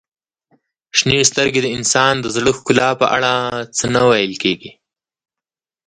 • شنې سترګې د انسان د زړه ښکلا په اړه څه نه ویل کیږي.